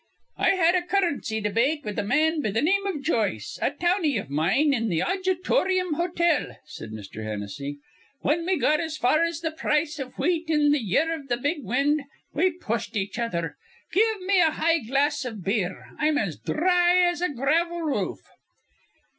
"I had a currency debate with a man be th' name iv Joyce, a towny iv mine, in th' Audjiotoroom Hotel," said Mr. Hennessy. "Whin we got as far as th' price iv wheat in th' year iv th' big wind, we pushed each other. Give me a high glass iv beer. I'm as dhry as a gravel roof."